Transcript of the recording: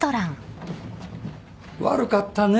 悪かったね